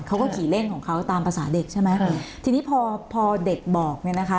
เขาก็ขี่เล่นของเขาตามภาษาเด็กใช่ไหมทีนี้พอพอเด็กบอกเนี่ยนะคะ